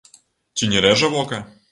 Ці не рэжа вока?